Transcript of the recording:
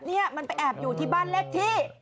นี่มันไปแอบอยู่ที่บ้านเลขที่